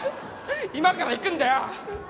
今から行くんだよ。